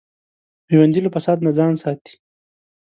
ژوندي له فساد نه ځان ساتي